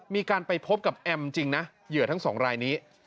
มีการไปพบกับแอมจริงนะเหยื่อทั้งสองรายนี้